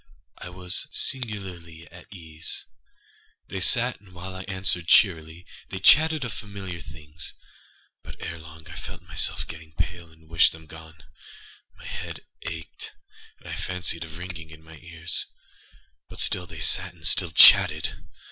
I was singularly at ease. They sat, and while I answered cheerily, they chatted of familiar things. But, ere long, I felt myself getting pale and wished them gone. My head ached, and I fancied a ringing in my ears: but still they sat and still chatted.